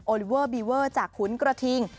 ลิเวอร์บีเวอร์จากขุนกระทิง